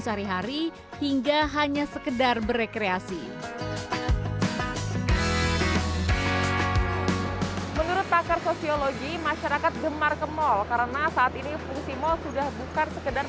sehari hari hingga hanya sekedar berrekreasi menurut pakar sosiologi masyarakat gemar kemol karena saat ini fungsi malah sudah buka sekedar pilihan perang kemol dan pilihan perang kemol juga itu juga kita lihat juga